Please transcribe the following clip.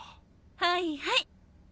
はいはい。